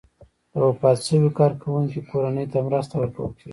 د وفات شوي کارکوونکي کورنۍ ته مرسته ورکول کیږي.